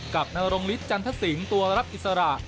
กับนรงฤทธจันทสิงศ์ตัวรับอิสระ